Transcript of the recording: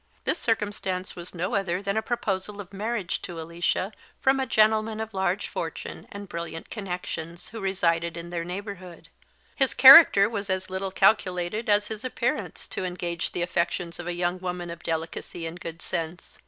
This circumstance was no other than a proposal of marriage to Alicia from a gentleman of large fortune and brilliant connexions who resided in their neighbourhood. His character was as little calculated as his appearance to engage the affections of a young woman of delicacy and good sense.